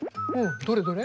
どれどれ？